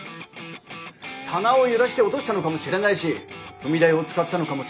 棚を揺らして落としたのかもしれないし踏み台を使ったのかもしれない。